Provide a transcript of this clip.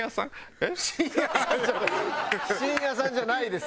真矢さんじゃない。